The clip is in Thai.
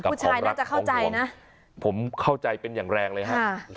ผู้ชายน่าจะเข้าใจนะผมเข้าใจเป็นอย่างแรงเลยฮะ